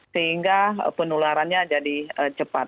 sehingga penularannya jadi cepat